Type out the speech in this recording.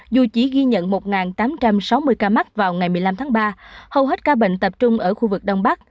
dù chỉ ghi nhận một tám trăm sáu mươi ca mắc vào ngày một mươi năm tháng ba hầu hết ca bệnh tập trung ở khu vực đông bắc